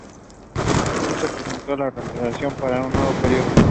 No se presentó a la reelección para un nuevo período.